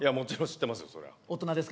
知ってますよ。